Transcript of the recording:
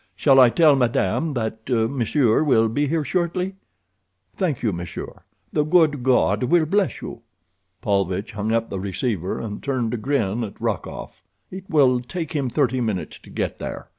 Shall I tell madame that monsieur will be here shortly? "Thank you, monsieur. The good God will bless you." Paulvitch hung up the receiver and turned to grin at Rokoff. "It will take him thirty minutes to get there.